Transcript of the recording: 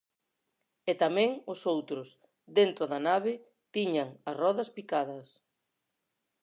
E tamén os outros, dentro da nave, tiñan as rodas picadas.